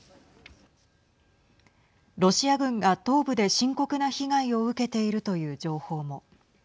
ロシア軍が東部で深刻な被害を受けているという情報も。